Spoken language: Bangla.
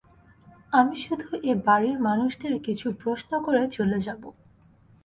আমি শুধু এ-বাড়ির মানুষদের কিছু প্রশ্ন করে চলে যাব।